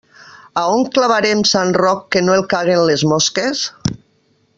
A on clavarem sant Roc que no el caguen les mosques?